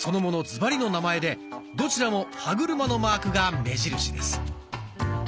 ズバリの名前でどちらも歯車のマークが目印です。